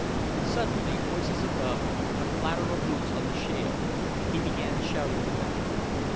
Suddenly, voices above, a clatter of boots on the shale. He began shouting to them.